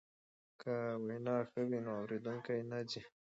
که وینا ښه وي نو اوریدونکی نه ځي.